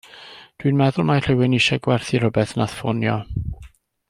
Dw i'n meddwl mai rhywun isio gwerthu r'wbath nath ffonio.